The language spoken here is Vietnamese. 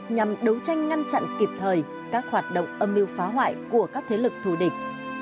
nhằm đấu tranh ngăn chặn kịp thời các hoạt động âm mưu phá hoại của các thế lực thù địch